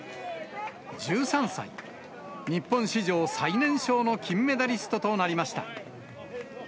１３歳、日本史上最年少の金メダリストとなりました。